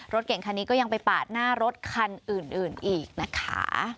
รถเก่งคันนี้ก็ยังไปปาดหน้ารถคันอื่นอีกนะคะ